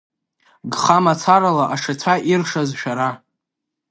Гха мацарала ашацәа иршаз шәара.